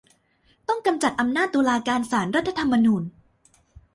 ต้องกำจัดอำนาจตุลาการศาลรัฐธรรมนูญ